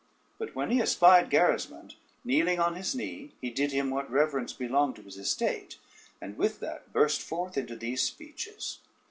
But when he espied Gerismond, kneeling on his knee he did him what reverence belonged to his estate, and with that burst forth into these speeches: [Footnote 1: knew.